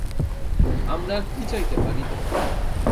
আমরা আর কি চাইতে পারি?